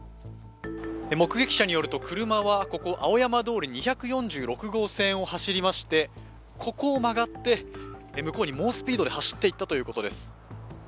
目撃者によると車は青山通り２４６号線、ここを曲がって向こうに猛スピードで走っていったということです。